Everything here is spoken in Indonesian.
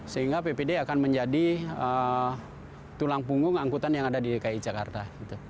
sehingga ppd akan menjadi tulang punggung angkutan yang ada di dki jakarta